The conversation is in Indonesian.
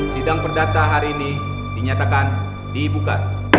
sidang perdata hari ini dinyatakan dibuka